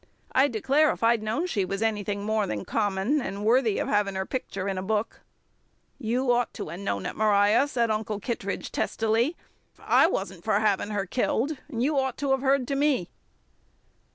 "I declare if I'd known she was anything more'n common, and worthy of havin' her picture in a book " "You'd ought to have known it, Maria!" said Uncle Kittredge testily. "I wa'n't for havin' her killed, and you'd ought to have heard to me!"